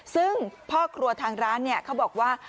ซึ่งพ่อครัวทางร้านเขาบอกว่า